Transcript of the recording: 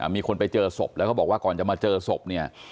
มีคนไปเจอศพแล้วเขาบอกว่าก่อนจะมาเจอศพเนี่ย